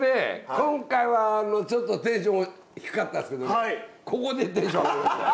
今回はちょっとテンション低かったですけどここでテンション上がりましたよ。